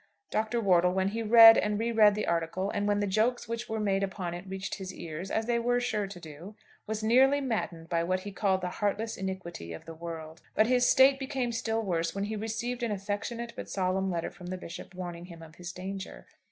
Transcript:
Dr. Wortle, when he read and re read the article, and when the jokes which were made upon it reached his ears, as they were sure to do, was nearly maddened by what he called the heartless iniquity of the world; but his state became still worse when he received an affectionate but solemn letter from the Bishop warning him of his danger.